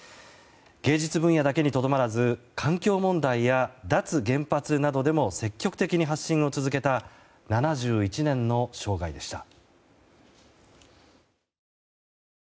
芸術分野だけにとどまらず環境問題や脱原発などでも積極的に発信を続けた７１年の生涯でした。